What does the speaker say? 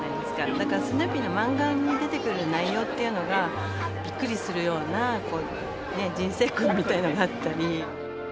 だからスヌーピーのマンガに出てくる内容っていうのがびっくりするようなこうね人生訓みたいなのがあったり。